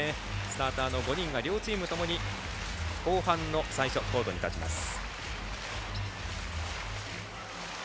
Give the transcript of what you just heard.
スターターの５人が両チームともに後半の最初コートに立ちます。